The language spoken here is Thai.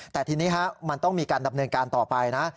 แต่ทีนี้มันต้องมีการดำเนินการต่อไปนะ